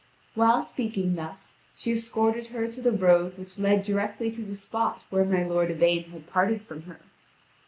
While speaking thus, she escorted her to the road which led directly to the spot where my lord Yvain had parted from her.